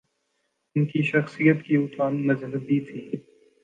ان کی شخصیت کی اٹھان مذہبی تھی۔